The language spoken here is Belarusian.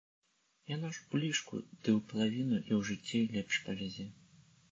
Яно ж у лішку ды ў палавіну і ў жыцці лепш павязе.